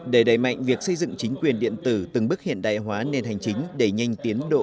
để đẩy mạnh việc xây dựng chính quyền điện tử từng bước hiện đại hóa nền hành chính đẩy nhanh tiến độ